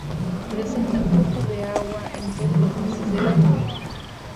Presenta flujo de agua en todos los meses del año.